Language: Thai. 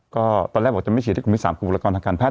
ก็ตอนแรกบอกจะไม่ฉีดที่กลุ่มที่๓คือบุคลากรทางการแพท